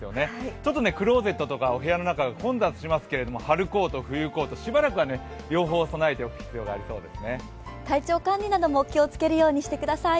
ちょっとクローゼットとかお部屋の中が混雑しますけれども春コート、冬コートしばらくは両方備えておく必要がありそうです。